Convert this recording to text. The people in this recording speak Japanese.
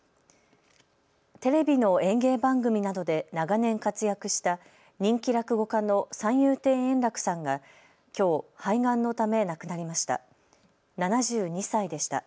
テレビの演芸番組などで長年活躍した人気落語家の三遊亭円楽さんがきょう肺がんのため亡くなりました。